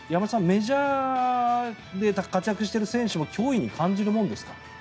メジャーで活躍している選手も脅威に感じるものですか？